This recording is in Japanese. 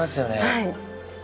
はい。